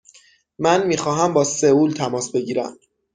من می خواهم با سئول تماس بگیرم.